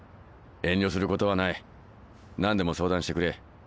遠慮することはない何でも相談してくれ。